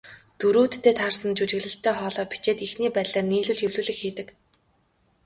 Дүрүүддээ таарсан жүжиглэлттэй хоолой бичээд, эхний байдлаар нийлүүлж эвлүүлэг хийдэг.